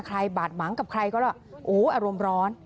ใครบาดบางกับใครก็แหละโอ้ออารมณ์ร้อน